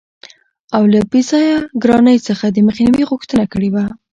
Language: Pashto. او له بې ځایه ګرانۍ څخه دمخنیوي غوښتنه کړې وه.